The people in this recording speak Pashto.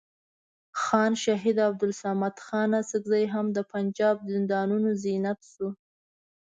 خان شهید عبدالصمد خان اڅکزی هم د پنجاب زندانونو زینت شو.